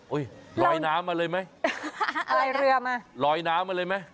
ลอยน้ำมาเลยไหมลอยเรือมาลอยน้ำมาเลยไหม